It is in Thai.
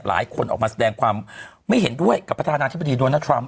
หลายคนออกมาแสดงความไม่เห็นด้วยกับประธานาธิบดีโดนัททรัมป